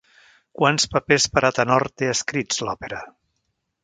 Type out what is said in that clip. Quants papers per a tenor té escrits l'òpera?